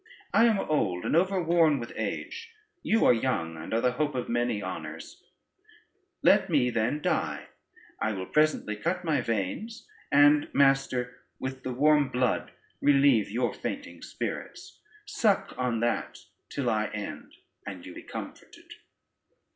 I am old, and overworn with age, you are young, and are the hope of many honors: let me then die, I will presently cut my veins, and, master, with the warm blood relieve your fainting spirits: suck on that till I end, and you be comforted."